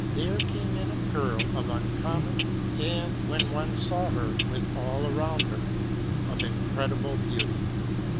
there came in a girl of uncommon, and, when one saw her with all around her, of incredible, beauty.